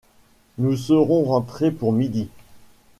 Nous serons rentrées pour midi !